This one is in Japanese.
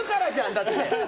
だって。